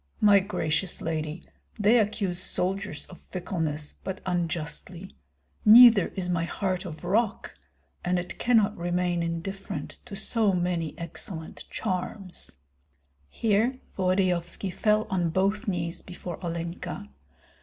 My gracious lady, they accuse soldiers of fickleness, but unjustly. Neither is my heart of rock, and it cannot remain indifferent to so many excellent charms." Here Volodyovski fell on both knees before Olenka.